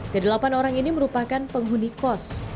kedelapan orang ini merupakan penghuni kos